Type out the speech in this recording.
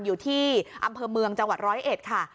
อยู่ที่อำเภอเมืองจังหวัด๑๐๑ค่ะ